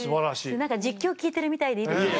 何か実況聞いてるみたいでいいですね。